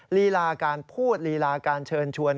ลีลาการพูดลีลาการเชิญชวน